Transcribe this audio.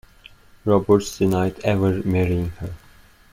Roberts denied ever marrying her.